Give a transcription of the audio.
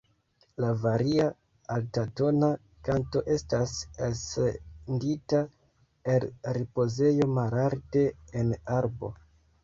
La varia, altatona kanto estas elsendita el ripozejo malalte en arbo.